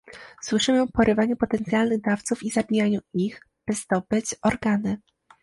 Słyszymy o porywaniu potencjalnych dawców i zabijaniu ich, by zdobyć organy